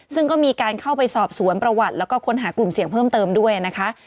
ซึ่งก็มีการเข้าไปสอบสวนประวัติแล้วก็ค้นหากลุ่มเสี่ยงเพิ่มเติมด้วยนะคะ